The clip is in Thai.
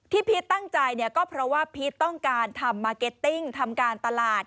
พีชตั้งใจเนี่ยก็เพราะว่าพีชต้องการทำมาร์เก็ตติ้งทำการตลาด